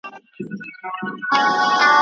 اوس به د چا منتر ته ناڅي سره او ژړ ګلونه